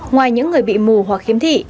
ngoài những người bị mù hoặc khiếm thị